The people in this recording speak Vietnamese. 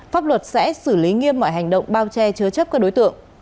pháp luật sẽ xử lý nghiêm mọi hành động bao che chứa chấp các đối tượng